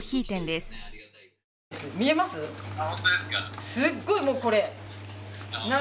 すっごいもう、これ。